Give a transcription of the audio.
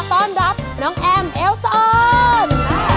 ต้อนรับน้องแอมเอลสะออน